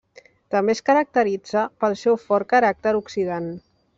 També es caracteritza pel seu fort caràcter oxidant.